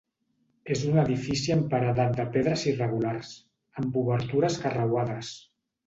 És un edifici amb paredat de pedres irregulars, amb obertures carreuades.